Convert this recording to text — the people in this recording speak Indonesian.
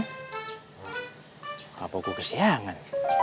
apakah aku kesiangan